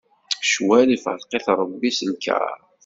Ccwal ifṛeq-it Ṛebbi s lkaṛ.